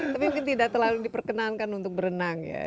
tapi mungkin tidak terlalu diperkenankan untuk berenang ya